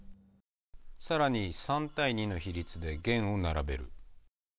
更に３対２の比率で弦を並べる。